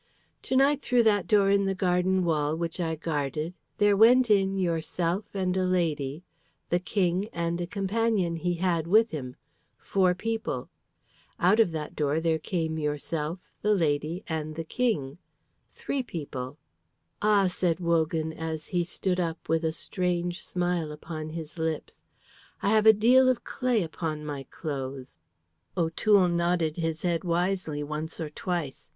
"To night through that door in the garden wall which I guarded, there went in yourself and a lady, the King and a companion he had with him, four people. Out of that door there came yourself, the lady, and the King, three people." "Ah," said Wogan, as he stood up with a strange smile upon his lips, "I have a deal of clay upon my clothes." O'Toole nodded his head wisely once or twice.